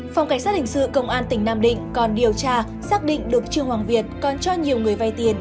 phòng cảnh sát hình sự công an tỉnh nam định còn điều tra xác định được trương hoàng việt còn cho nhiều người vay tiền